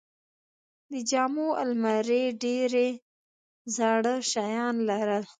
د جامو الماری ډېرې زاړه شیان لرل.